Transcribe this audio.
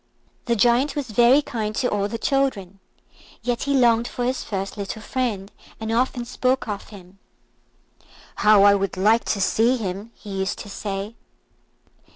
The Giant was very kind to all the children, yet he longed for his first little friend, and often spoke of him. "How I would like to see him!" he used to say.